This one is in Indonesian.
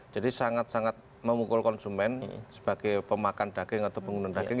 jadi sangat sangat memukul konsumen sebagai pemakan daging atau pengguna daging